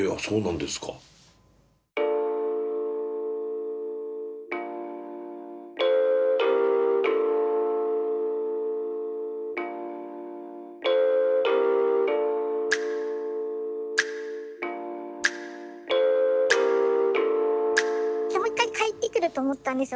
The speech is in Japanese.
でもう一回返ってくると思ったんですよ